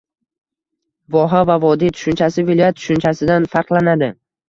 Voha va vodiy tushunchasi viloyat tushunchasidan farqlanadi